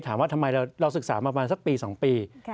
ถามว่าทำไมเราศึกษามาประมาณสักปี๒ปี